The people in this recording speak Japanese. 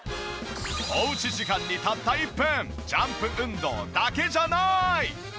おうち時間にたった１分ジャンプ運動だけじゃない！